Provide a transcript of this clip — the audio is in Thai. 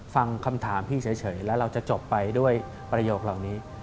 ฟังคำถามพี่เฉยแล้วเราจะจบไปด้วยประโยคเหล่านี้